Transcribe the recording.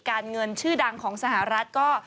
การเงินชื่อดังของสหรัฐก็